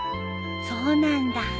そうなんだ。